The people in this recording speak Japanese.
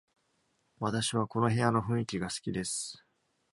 私はこの部屋の雰囲気が好きです。